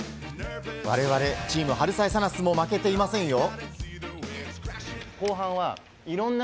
我々チームはるさえさなッスも負けていませんよ。